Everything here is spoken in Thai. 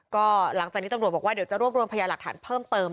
ก็หลังจากนี้ตำรวจบอกว่าเดี๋ยวจะรวบรวมพยาหลักฐานเพิ่มเติม